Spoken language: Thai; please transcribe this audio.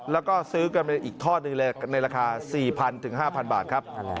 แล้วก็ซื้อกันไปอีกทอดหนึ่งเลยในราคา๔๐๐๕๐๐บาทครับ